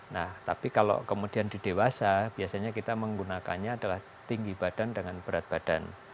nah tapi kalau kemudian di dewasa biasanya kita menggunakannya adalah tinggi badan dengan berat badan